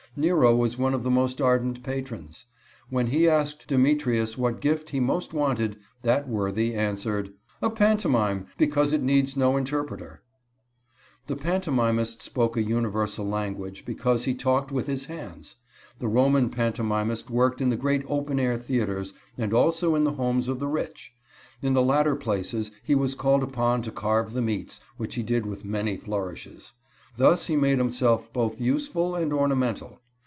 Nero was one of the most ardent patrons. When he asked Demetrius what gift he most wanted, that worthy answered: "A pantomime, because it needs no interpreter." [Illustration: "TO BE A GOOD CLOWN A MAN MUST BE A STUDENT AND IN EARNEST."] The pantomimist spoke a universal language, because he talked with his hands. The Roman pantomimist worked in the great open air theaters, and also in the homes of the rich. In the latter places he was called upon to carve the meats, which he did with many flourishes. Thus he made himself both useful and ornamental.